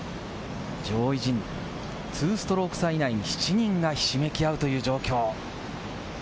上位陣、２ストローク差以内に７人がひしめき合うという状況。